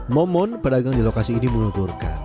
momon pedagang di lokasi ini mengugurkan